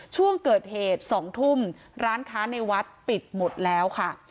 ช่วงเกิดเหตุ๒ทุ่มร้านค้าในวัดปิดหมดแล้วค่ะ